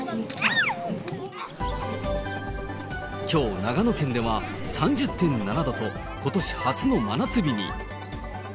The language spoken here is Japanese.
きょう、長野県では３０．７度と、ことし初の真夏日に。